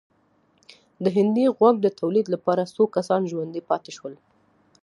د هندي غوز د تولید لپاره څو کسان ژوندي پاتې شول.